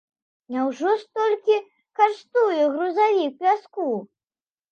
Няўжо столькі каштуе грузавік пяску?